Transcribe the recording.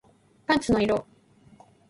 パンツの色